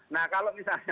nah kalau misalnya